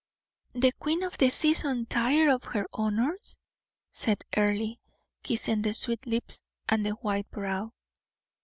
"The queen of the season tired of her honors?" said Earle, kissing the sweet lips and the white brow.